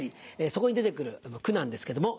そこに出て来る句なんですけども。